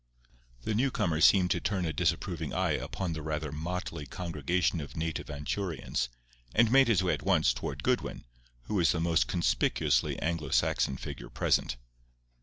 The new comer seemed to turn a disapproving eye upon the rather motley congregation of native Anchurians, and made his way at once toward Goodwin, who was the most conspicuously Anglo Saxon figure present.